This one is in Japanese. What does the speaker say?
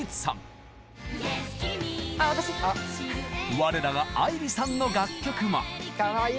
我らが愛理さんの楽曲も！